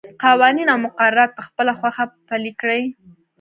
قوانین او مقررات په خپله خوښه پلي کړي.